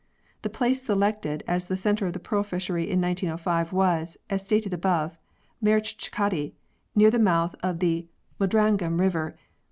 The place selected as the centre of the pearl fishery in 1905 was, as stated above, Marich chikkaddi, near the mouth of the Modragam River.